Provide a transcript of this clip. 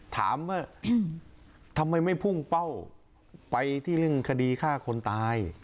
ถามว่าทำไมไม่พุ่งเป้าไปที่เรื่องคดีฆ่าคนตาย